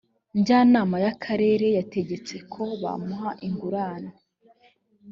njyanama ya karere yategetse ko bamuha ingurane